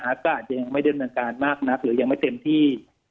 อากาศยังไม่เดินการมากนักหรือยังไม่เต็มที่